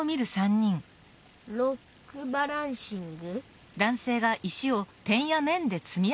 「ロックバランシング」？